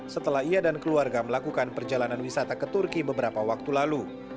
setelah ia dan keluarga melakukan perjalanan wisata ke turki beberapa waktu lalu